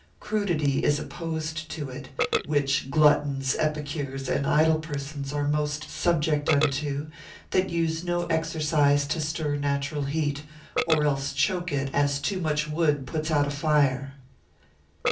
Crudity is opposed to it, which gluttons, epicures, and idle persons are most subject unto, that use no exercise to stir natural heat, or else choke it, as too much wood puts out a fire.